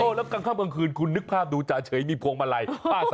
โอ้แล้วกลางข้ามกลางคืนคุณนึกภาพดูจาเฉยมีพวงมาลัย๕๓๔